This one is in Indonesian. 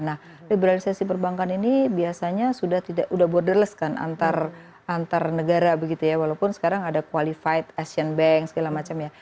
nah liberalisasi perbankan ini biasanya sudah borderless kan antar negara begitu ya walaupun sekarang ada qualified asian bank segala macam ya